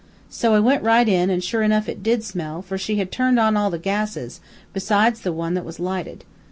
"So I went right in, an' sure enough it did smell, for she had turned on all the gases, besides the one that was lighted.